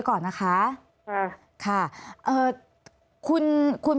มันเป็นแบบที่สุดท้าย